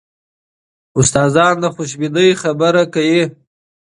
استادان د خوشبینۍ خبره کوي.